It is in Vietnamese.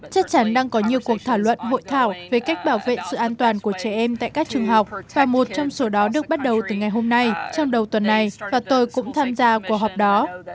chắc chắn đang có nhiều cuộc thảo luận hội thảo về cách bảo vệ sự an toàn của trẻ em tại các trường học và một trong số đó được bắt đầu từ ngày hôm nay trong đầu tuần này và tôi cũng tham gia cuộc họp đó